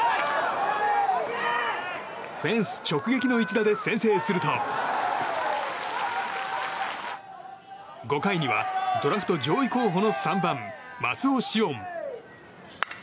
フェンス直撃の一打で先制すると５回には、ドラフト上位候補の３番、松尾汐恩。